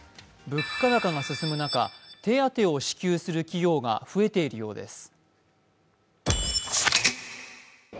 物価高が進む中手当てを支給する企業が増えているようです。